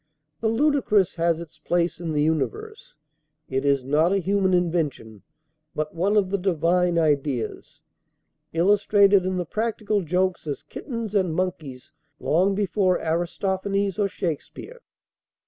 The ludicrous has its place in the universe; it is not a human invention, but one of the Divine ideas, illustrated in the practical jokes as kittens and monkeys long before Aristophanes or Shakespeare.